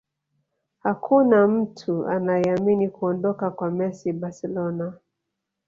Hakuna mtu anayeamini kuondoka kwa messi barcelona